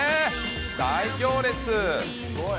大行列。